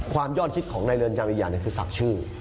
ความยอดคิดของในเรือนจำวิญญาณคือศักดิ์ชื่อ